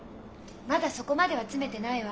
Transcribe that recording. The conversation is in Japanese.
まだそこまでは詰めてないわ。